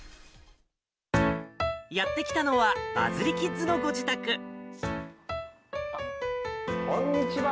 やって来たのは、バズリキッこんにちは。